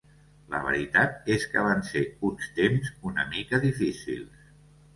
La veritat és que van ser uns temps una mica difícils.